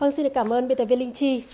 vâng xin được cảm ơn biên tập viên linh chi